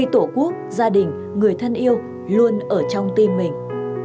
thân yêu luôn ở trong tim mình